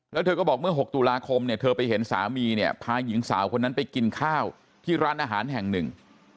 แล้วเธอก็บอกเมื่อ๖ตุลาคมเนี่ยเธอไปเห็นสามีเนี่ยพาหญิงสาวคนนั้นไปกินข้าวที่ร้านอาหารแห่งหนึ่ง